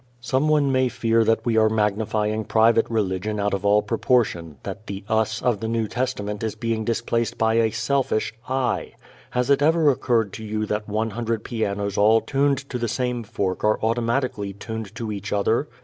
Someone may fear that we are magnifying private religion out of all proportion, that the "us" of the New Testament is being displaced by a selfish "I." Has it ever occurred to you that one hundred pianos all tuned to the same fork are automatically tuned to each other?